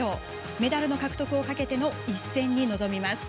メダルの獲得をかけての一戦に臨みます。